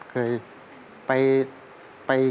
รู้ครับ